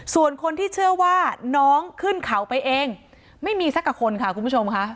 ส่วนคนที่เชื่อว่าน้องขึ้นเขาไปเองไม่มีสักกับคนค่ะคุณผู้ชมค่ะ